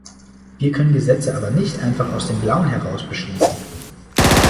Wir können Gesetze aber nicht einfach aus dem Blauen heraus beschließen!